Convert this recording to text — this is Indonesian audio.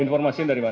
informasi dari mana